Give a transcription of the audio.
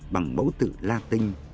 bằng mẫu tự latin